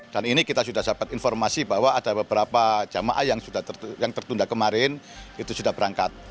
dan ini kita sudah dapat informasi bahwa ada beberapa jemaah yang tertunda kemarin itu sudah berangkat